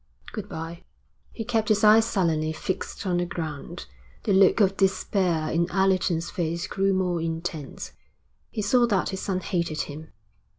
'Good bye.' He kept his eyes sullenly fixed on the ground. The look of despair in Allerton's face grew more intense. He saw that his son hated him.